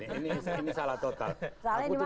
ini salah total